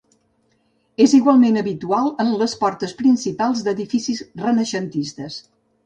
És igualment habitual en les portes principals d'edificis renaixentistes.